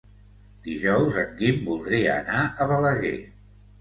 Dijous en Guim voldria anar a Balaguer.